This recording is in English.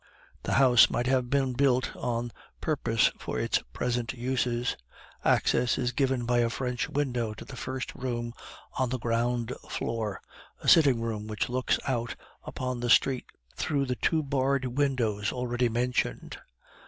The house might have been built on purpose for its present uses. Access is given by a French window to the first room on the ground floor, a sitting room which looks out upon the street through the two barred windows already mentioned.